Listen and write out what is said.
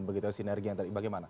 begitu sinergi yang tadi bagaimana